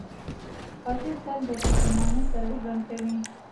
قاتل تل د پښېمانۍ سره ژوند کوي